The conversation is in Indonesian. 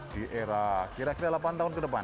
di era kira kira delapan tahun ke depan